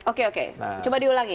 oke oke coba diulangi